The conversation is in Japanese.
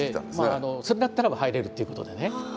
まああのそれだったらば入れるっていうことでね。